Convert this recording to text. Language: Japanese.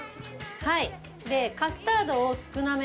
はい。